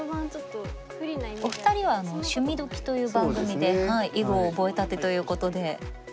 お二人は「趣味どきっ！」という番組で囲碁を覚えたてということで。